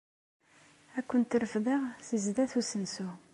Ad kent-refdeɣ seg sdat n usensu.